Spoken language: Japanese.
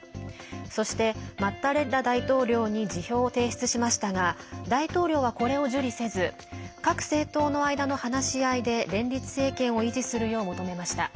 そして、マッタレッラ大統領に辞表を提出しましたが大統領はこれを受理せず各政党の間の話し合いで連立政権を維持するよう求めました。